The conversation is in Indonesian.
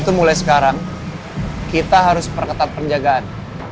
itu mulai sekarang kita harus perketat penjagaan